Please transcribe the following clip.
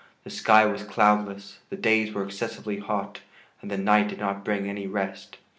The sky was cloudless, the days were excessively hot, and the night did not bring any rest.